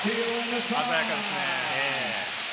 鮮やかですね。